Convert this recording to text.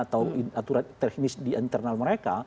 atau aturan teknis di internal mereka